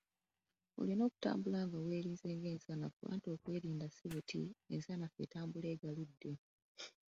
Olina okutambula nga weerinze ng'ensanafu, anti okwerinda si buti ensanafu etambula egaludde.